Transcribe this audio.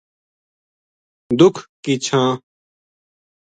دُکھ کی چھاں